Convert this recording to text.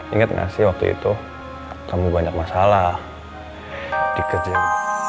ingat gak sih waktu itu kamu banyak masalah di kecil